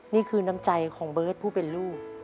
นี่คือน้ำใจของเบิร์ตผู้เป็นลูก